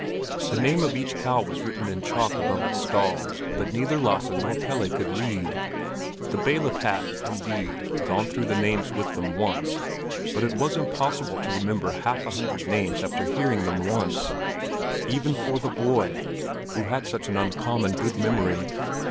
The name of each cow was written in chalk above its stall, but neither Lasse nor Pelle could read. The bailiff had, indeed, gone through the names with them once, but it was impossible to remember half a hundred names after hearing them once—even for the boy, who had such an uncommon good memory.